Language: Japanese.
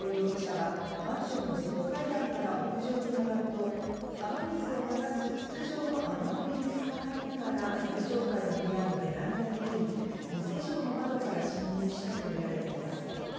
新城容疑者はマンションの外階段から屋上に上がると、雨水を流す筒状の雨どいにつかまりながら、最上階の部屋のベランダに下り、無施錠の窓から侵入したとみられています。